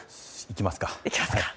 いきますか。